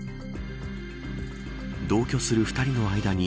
同居する２人の間に